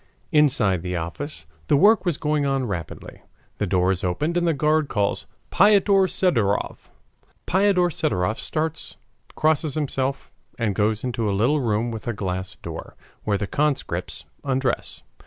Inside the office the work was going on rapidly. The door is opened and the guard calls Piotr Sidorov. Piotr Sidorov starts, crosses himself, and goes into a little room with a glass door, where the conscripts undress.